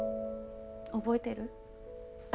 覚えてる？